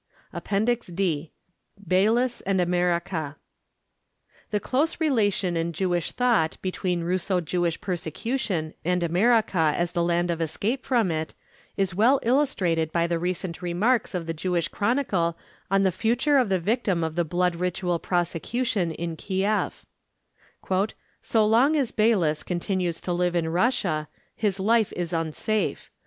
'" APPENDIX D BEILIS AND AMERICA The close relation in Jewish thought between Russo Jewish persecution and America as the land of escape from it is well illustrated by the recent remarks of the Jewish Chronicle on the future of the victim of the Blood Ritual Prosecution in Kieff. "So long as Beilis continues to live in Russia, his life is unsafe.